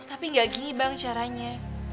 tapi gak gini bang caranya